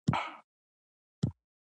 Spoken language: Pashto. یوه ډله اشخاص خپلې تجربې مطرح کوي.